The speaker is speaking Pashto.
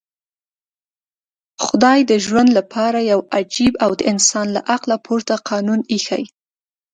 خدای د ژوند لپاره يو عجيب او د انسان له عقله پورته قانون ايښی.